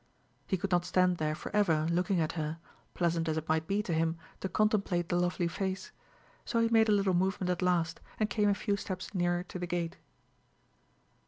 He could not stand there for ever looking at her, pleasant as it might be to him to contemplate the lovely face; so he made a little movement at last, and came a few steps nearer to the gate.